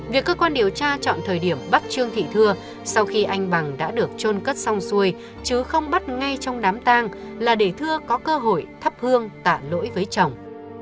việc cơ quan điều tra chọn thời điểm bắt trương thị thưa sau khi anh bằng đã được trôn cất xong xuôi chứ không bắt ngay trong đám tang là để thưa có cơ hội thắp hương tạ lỗi với chồng